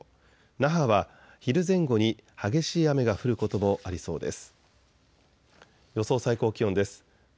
那覇は昼前後に激しい雨が降ることもありそうです。